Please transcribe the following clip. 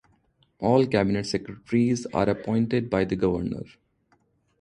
All cabinet secretaries are appointed by the Governor.